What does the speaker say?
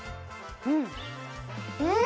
うん！